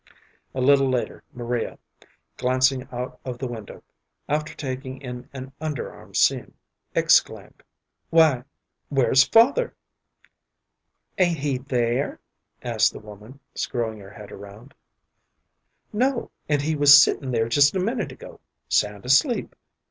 A little later Maria, glancing out of the window, after taking in an under arm seam, exclaimed, "Why, where's father?" "Ain't he there?" asked the woman, screwing her head around. "No, and he was sittin' there just a minute ago, sound asleep.